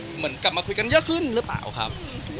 เหมือนกลับมาคุยกันเยอะขึ้นหรือเปล่าครับ